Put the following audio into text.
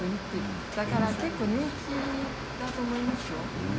ですから結構人気だと思いますよ。